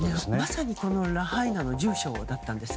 まさにラハイナだったんです。